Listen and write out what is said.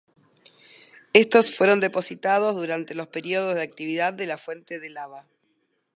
Estos fueron depositados durante los períodos de actividad de la fuente de lava.